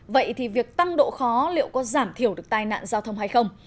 vậy thì việc tăng độ khó liệu có giảm thiểu được tai nạn giao thông hay không